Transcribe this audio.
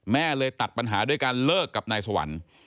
แม่เลยตัดปัญหาด้วยการเลิกกับนายสวรรค์